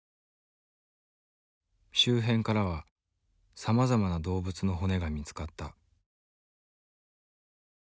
周辺からはさまざまな動物の骨が見つかった。